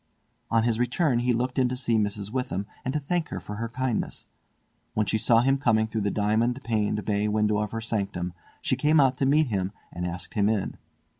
On his return he looked in to see Mrs. Witham and to thank her for her kindness. When she saw him coming through the diamond paned bay window of her sanctum she came out to meet him and asked him in.